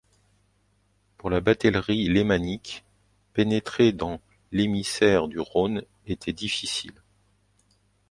Pour la batellerie lémanique, pénétrer dans l’émissaire du Rhône était difficile.